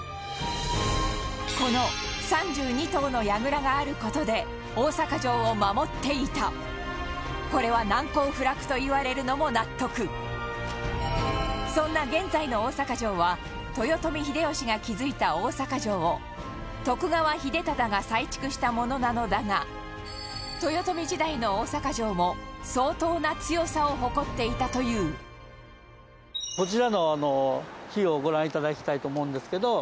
この３２棟の櫓がある事で大坂城を守っていたこれは難攻不落と言われるのも納得そんな現在の大阪城は豊臣秀吉が築いた大坂城を徳川秀忠が再築したものなのだが豊臣時代の大坂城も相当な強さを誇っていたという北川さん：こちらの碑をご覧いただきたいと思うんですど。